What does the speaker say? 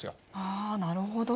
あなるほど。